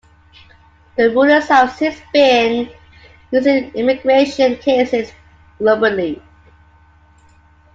The rulings have since been used in immigration cases globally.